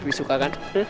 lebih suka kan